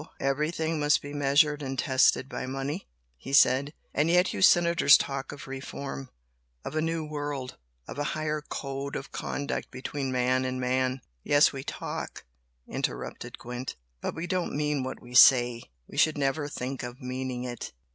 Everything must be measured and tested by money!" he said "And yet you senators talk of reform! of a 'new' world! of a higher code of conduct between man and man " "Yes, we talk" interrupted Gwent "But we don't mean what we say! we should never think of meaning it!"